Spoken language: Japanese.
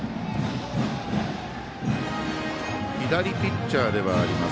左ピッチャーではあります。